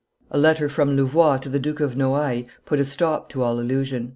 A letter from Louvois to the Duke of Noailles put a stop to all illusion.